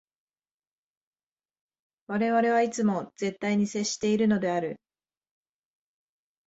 我々はいつも絶対に接しているのである。